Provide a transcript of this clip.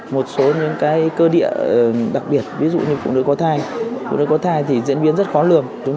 một số những cái cơ địa đặc biệt ví dụ như phụ nữ có thai phụ nữ có thai thì diễn biến rất khó lường